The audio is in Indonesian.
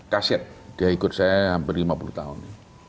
kasiat dia ikut saya hampir lima puluh tahun